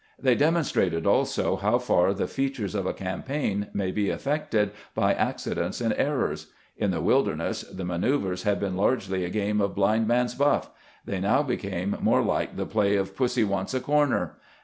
They demonstrated, also, how far the features of a campaign may be affected by accidents and errors. In the Wil derness the manoeuvers had been largely a game of blindman's buff ; they now became more like the play of 86 CAMPAIGNING WITH GRANT pussy wants a corner.